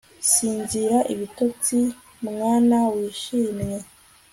sinzira ibitotsi, mwana wishimye